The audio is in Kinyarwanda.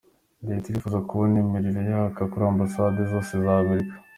Reta irifuza kubona imiriro yaka kuri Ambasade zose z’Amerika